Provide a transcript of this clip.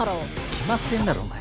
決まってんだろお前。